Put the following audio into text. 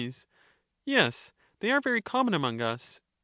Soc, Yes ; they are very common among us.